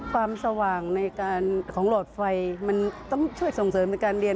ความสว่างในการของหลอดไฟมันต้องช่วยส่งเสริมในการเรียน